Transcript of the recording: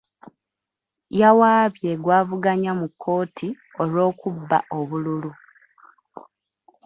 Yawaabye gw'avuganya mu kkooti olw'okubba obululu.